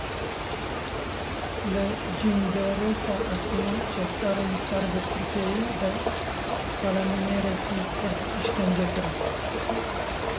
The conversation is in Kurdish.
Li Cindirêsa Efrînê çekdarên ser bi Tirkiyeyê ve kalemêrekî Kurd îşkence kirin.